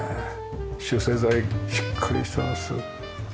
集成材しっかりしてます。